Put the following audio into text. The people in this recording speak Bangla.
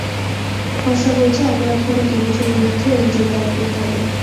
খসড়া বলছে, অপরাধ ঘটার দুই বছরের মধ্যে অভিযোগ দায়ের করতে হবে।